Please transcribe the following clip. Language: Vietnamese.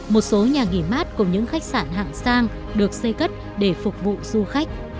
một số nhà nghỉ mát cùng những khách sạn hạng sang được xây cất để phục vụ du khách